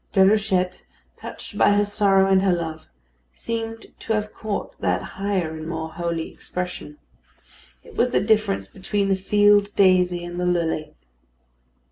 Déruchette, touched by her sorrow and her love, seemed to have caught that higher and more holy expression. It was the difference between the field daisy and the lily.